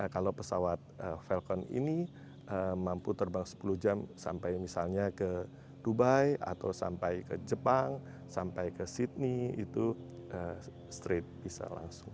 kalau pesawat falcon ini mampu terbang sepuluh jam sampai misalnya ke dubai atau sampai ke jepang sampai ke sydney itu street bisa langsung